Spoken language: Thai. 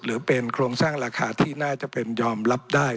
หรือเป็นโครงสร้างราคาที่น่าจะเป็นยอมรับได้